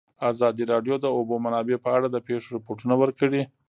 ازادي راډیو د د اوبو منابع په اړه د پېښو رپوټونه ورکړي.